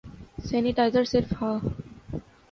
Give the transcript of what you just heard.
sanitizer صرف ہا